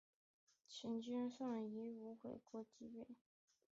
秦军护送夷吾回国即位。